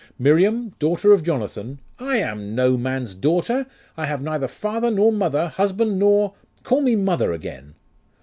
Miriam, daughter of Jonathan ' 'I am no man's daughter! I have neither father nor mother, husband nor Call me mother again!